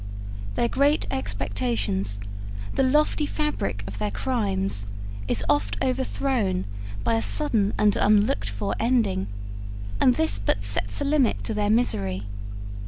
Their great expectations, the lofty fabric of their crimes, is oft overthrown by a sudden and unlooked for ending, and this but sets a limit to their misery.